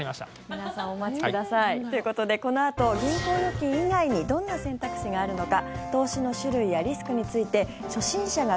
皆さんお待ちください。ということでこのあと銀行預金以外にどんな選択肢があるのか。